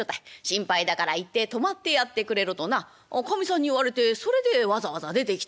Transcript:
心配だから行って泊まってやってくれろ』となかみさんに言われてそれでわざわざ出てきたんだよ」。